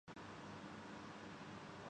کتابیں بھی دلہنوں کی طرح ہوتی ہیں۔